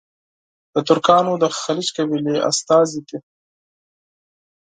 د ترکانو د خیلیچ قبیلې استازي دي.